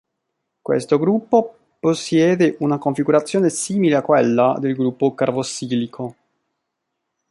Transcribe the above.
Questo gruppo possiede una configurazione simile a quella del gruppo carbossilico.